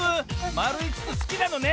まるいつつすきなのね。